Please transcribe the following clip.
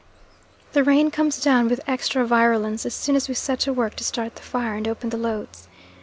The rain comes down with extra virulence as soon as we set to work to start the fire and open the loads.